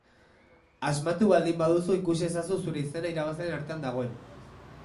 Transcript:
Asmatu baldin baduzu ikusi ezazu zure izena irabazleen artean dagoen.